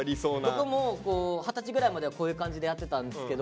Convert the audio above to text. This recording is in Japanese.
僕も二十歳ぐらいまではこういう感じでやってたんですけど。